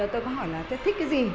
tôi có hỏi là thích cái gì